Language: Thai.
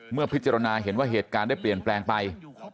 เมื่อพิจารณาเห็นว่าเหตุการณ์ได้เปลี่ยนแปลงไป